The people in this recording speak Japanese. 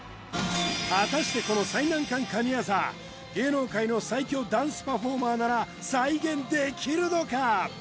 果たしてこの最難関神業芸能界の最強ダンスパフォーマーなら再現できるのか？